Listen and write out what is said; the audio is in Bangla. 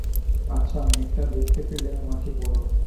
আচ্ছা, মেঘটা দেখতে পেলে আমাকে বোলো।